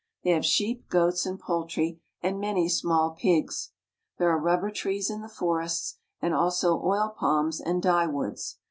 They have sheep, goats, and poultry, and many small pigs. There are rubber trees in the forests and also oil palms and dyewoods.